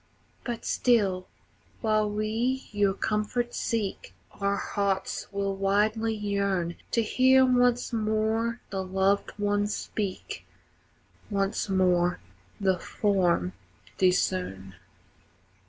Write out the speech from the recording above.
But still, while we your comfort seek, Our hearts will wildly yearn To hear once more the loved one speak, Once more the form discern.